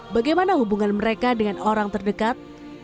bagaimana hubungan mereka dengan orang terdekat